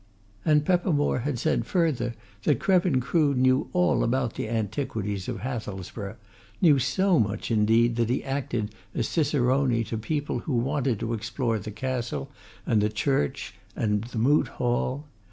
And Peppermore had said further that Krevin Crood knew all about the antiquities of Hathelsborough knew so much, indeed, that he acted as cicerone to people who wanted to explore the Castle, and the church, and the Moot Hall.